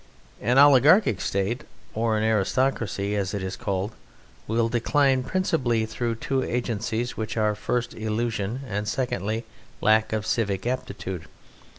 An oligarchic State, or aristocracy as it is called, will decline principally through two agencies which are, first, illusion, and secondly, lack of civic aptitude.